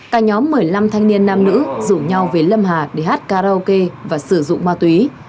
cả nhóm một mươi năm thanh niên nam nữ rủ nhau về lâm hà để hát karaoke và sử dụng ma túy